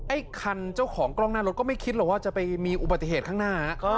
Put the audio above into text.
ไอ้คันเจ้าของกล้องหน้ารถก็ไม่คิดหรอกว่าจะไปมีอุบัติเหตุข้างหน้า